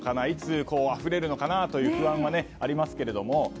いつあふれるのかなという不安はありますけれども。